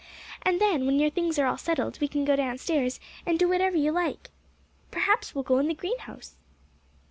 And then, when your things are all settled, we can go downstairs, and do whatever you like. Perhaps we'll go in the greenhouse."